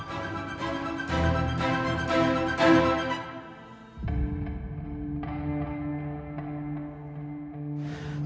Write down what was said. tadi langit aja nih bang